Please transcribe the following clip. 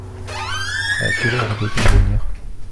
À quelle heure doit-elle venir ?